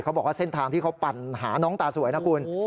เขาบอกว่าเส้นทางที่เขาปั่นหาน้องตาสวยนะคุณ